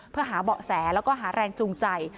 เพื่อหาเบาะแสแล้วก็หาแรงจูงใจ